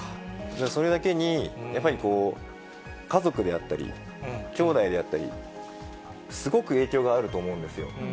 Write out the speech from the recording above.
それだけに、やっぱり家族であったり、きょうだいであったり、すごく影響があると思うんですよ。